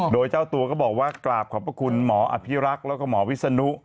โดยเจ้าตัวก็บอกว่ากราบขอบพระคุณหมออภิรักษ์แล้วก็หมอวิศนุ